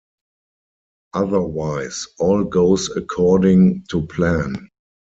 Otherwise, all goes according to plan.